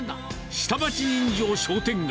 下町人情商店街。